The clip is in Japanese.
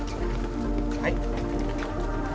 はい？